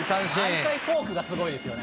毎回、フォークがすごいですよね。